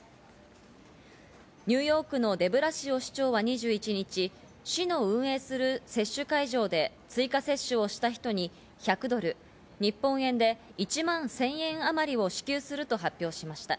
ニューヨークのデブラシオ市長は２１日、市の運営する接種会場で追加接種をした人に１００ドル、日本円で１万１０００円あまりを支給すると発表しました。